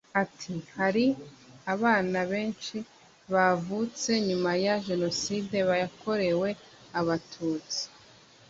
Ati “Hari abana benshi bavutse nyuma ya Jenoside yakorewe Abatutsi